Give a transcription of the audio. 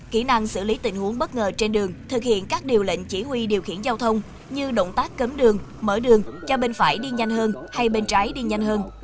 kỹ năng xử lý tình huống bất ngờ trên đường thực hiện các điều lệnh chỉ huy điều khiển giao thông như động tác cấm đường mở đường cho bên phải đi nhanh hơn hay bên trái đi nhanh hơn